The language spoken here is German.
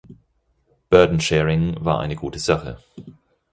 Burden sharing war eine gute Sache.